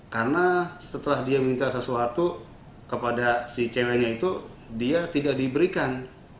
karena setelah dia minta sesuatu kepada si ceweknya itu dia tidak diberikan